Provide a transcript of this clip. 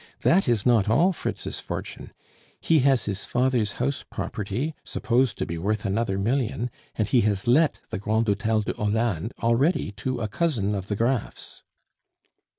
That is not all Fritz's fortune. He has his father's house property, supposed to be worth another million, and he has let the Grand Hotel de Hollande already to a cousin of the Graffs."